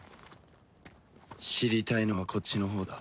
知りたいのはこっちのほうだ。